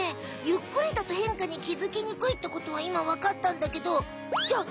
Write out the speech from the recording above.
ゆっくりだと変化に気づきにくいってことはいま分かったんだけどじゃあ